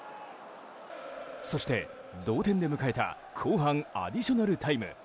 そして、同点で迎えた後半アディショナルタイム。